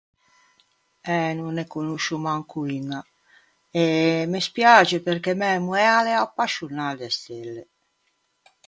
Eh, no ne conoscio manco uña. E me spiaxe, perché mæ moæ a l'ea appascionâ de stelle.